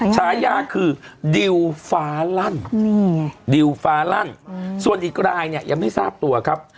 ชายาคือดิลฟาลันส่วนอีกรายยังไม่ทราบตัวครับ